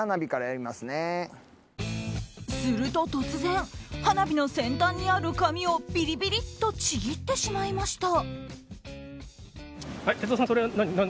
すると突然花火の先端にある紙をビリビリッとちぎってしまいました。